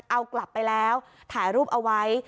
เอากลับไปแล้วถ่ายรูปเอาไว้